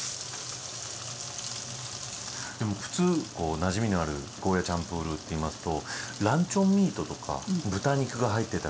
でも普通こうなじみのあるゴーヤーちゃんぷーるーっていいますとランチョンミートとか豚肉が入ってたりとか。